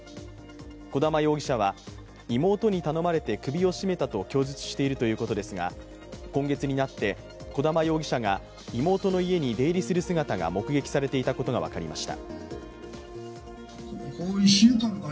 小玉容疑者は妹に頼まれて首を絞めたと供述しているということですが今月になって小玉容疑者が妹の家に出入りする姿が目撃されていたことが分かりました。